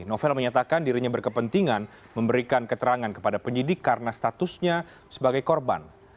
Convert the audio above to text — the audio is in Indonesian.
novel menyatakan dirinya berkepentingan memberikan keterangan kepada penyidik karena statusnya sebagai korban